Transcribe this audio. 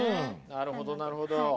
なるほどなるほど。